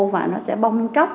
và nó sẽ bong tróc